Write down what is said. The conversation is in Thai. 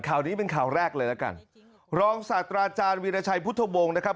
ข่าวนี้เป็นข่าวแรกเลยละกันรองศาสตราอาจารย์วีรชัยพุทธวงศ์นะครับ